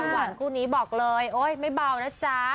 หวานคู่นี้บอกเลยโอ๊ยไม่เบานะจ๊ะ